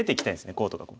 こうとかこう。